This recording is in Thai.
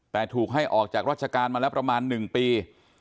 แต่ถูกให้ออกจากราชการมาแล้วประมาณ๑ปี